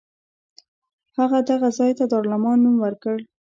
هغه دغه ځای ته دارالامان نوم ورکړ.